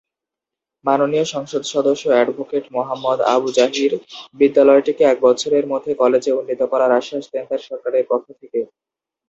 মাননীয় সংসদ সদস্য এডভোকেট মোহাম্মদ আবু জাহির বিদ্যালয়টিকে এক বছরের মধ্যে কলেজে উন্নীত করার আশ্বাস দেন তার সরকারের পক্ষ থেকে।